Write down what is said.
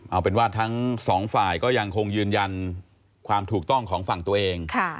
เอาเป็นว่าทั้งสองฝ่ายก็ยังคงยืนยันความถูกต้องของฝั่งตัวเอง